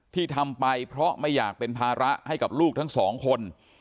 ที่ทำไปเพราะไม่อยากเป็นภาระให้กับลูกทั้งสองคน